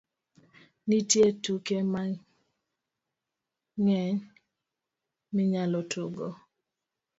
Nitie tuke mang'eny minyalo tugo.